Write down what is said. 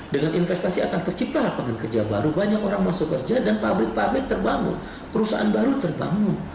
dengan investasi akan tercipta lapangan kerja baru banyak orang masuk kerja dan pabrik pabrik terbangun perusahaan baru terbangun